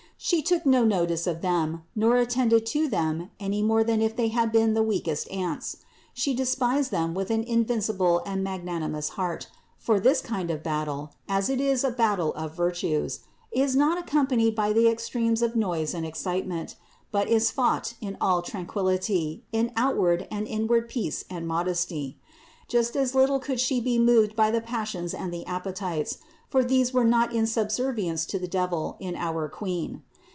She took no notice of them, nor attended to them any more than if they had been the weakest ants. She despised them with an invincible and magnanimous heart ; for this kind of battle, as it is a battle of virtues, is not accompanied by the extremes of noise and excitement, but is fought in all tranquillity, in outward and inward peace and modesty. Just as little could She be moved by the passions and the appetites ; for these were not in subservience to the devil in our Queen.